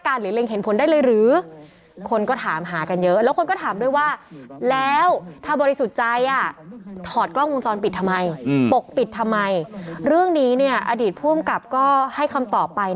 อันนี้คือผู้จัดใจเลยครับ